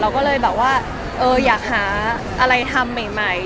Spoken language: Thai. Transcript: ก็เลยแบบว่าอยากหาอะไรทำใหม่